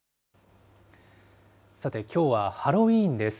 さて、きょうはハロウィーンです。